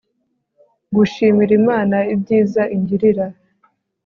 gushimira imana ibyiza ingirira